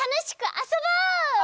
あそぼう！